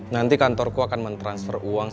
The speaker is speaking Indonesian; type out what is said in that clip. nanti kantorku akan mentransfer uang